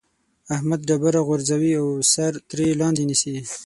احمد ډبره غورځوي او سر ترې لاندې نيسي.